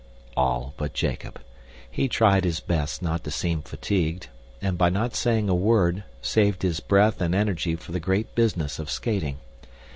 All but Jacob. He tried his best not to seem fatigued and, by not saying a word, saved his breath and energy for the great business of skating.